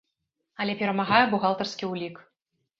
Але перамагае бухгалтарскі ўлік.